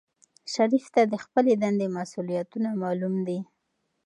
شریف ته د خپلې دندې مسؤولیتونه معلوم دي.